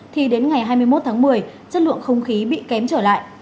thì đến ngày hai mươi một tháng một mươi chất lượng không khí bị kém trở lại